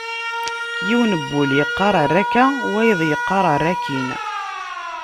Yiwen n wul yeqqar err akka, wayeḍ yeqqar err akkin.